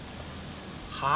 はあ？